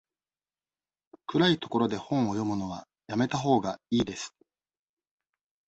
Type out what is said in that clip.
暗い所で本を読むのはやめたほうがいいです。